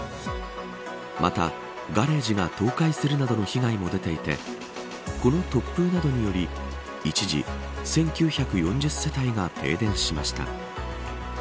また、ガレージが倒壊するなどの被害も出ていてこの突風などにより一時、１９４０世帯が停電しました。